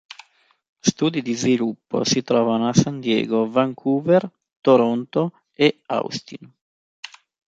Studi di sviluppo si trovano a San Diego, Vancouver, Toronto e Austin.